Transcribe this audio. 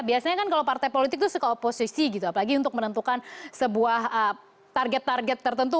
biasanya kan kalau partai politik itu suka oposisi gitu apalagi untuk menentukan sebuah target target tertentu